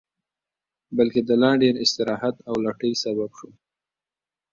بلکې د لا ډېر استراحت او لټۍ سبب شو